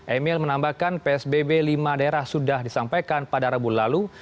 emil menambahkan psbb lima daerah sudah disampaikan pada rabu lalu